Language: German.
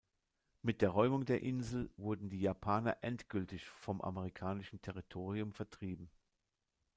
Mit der Räumung der Insel wurden die Japaner endgültig vom amerikanischen Territorium vertrieben.